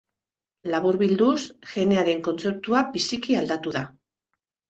Laburbilduz, genearen kontzeptua biziki aldatu da.